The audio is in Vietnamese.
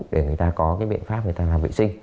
để người ta có cái biện pháp người ta làm vệ sinh